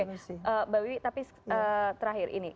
mbak wiwi tapi terakhir ini